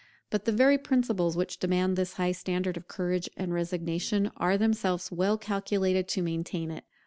But the very principles which demand this high standard of courage and resignation, are themselves well calculated to maintain it.